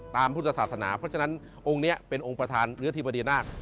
พุทธศาสนาเพราะฉะนั้นองค์นี้เป็นองค์ประธานเนื้อธิบดีนาค